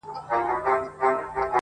چا او چا بايللى لاس او سترگه دواړه.!